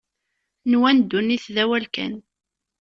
Nwan ddunit d awal kan.